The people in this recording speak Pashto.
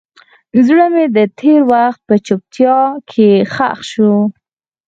زړه مې د تېر وخت په چوپتیا کې ښخ شو.